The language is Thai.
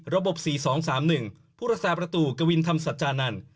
ระบบ๔๒๓๑ผู้รักษาประตูกวินธรรมสัจจานันทร์